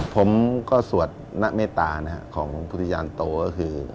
ผมก็สวดหน้าเมตตาของพุทธยานโตก็คือ